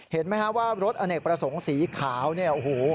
เห็นไหมฮะว่ารถอเนกประสงค์สีขาวเนี่ยโอ้โห